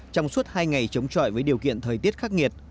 trong suốt hai ngày chống chọi với điều kiện thời tiết khắc nghiệt